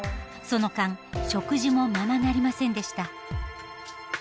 その間食事もままなりませんでした。